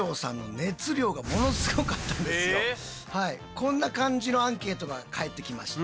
こんな感じのアンケートが返ってきました。